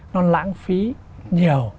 nó lãng phí nhiều